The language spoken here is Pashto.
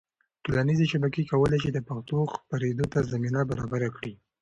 ټولنیزې شبکې کولی سي د پښتو خپرېدو ته زمینه برابره کړي.